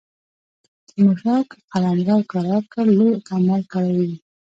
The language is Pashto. تیمورشاه که قلمرو کرار کړ لوی کمال کړی وي.